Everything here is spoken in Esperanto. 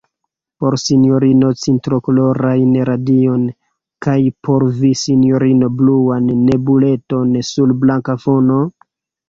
Por sinjorino cindrokolorajn radiojn, kaj por vi, sinjorino, bluan nebuleton sur blanka fono?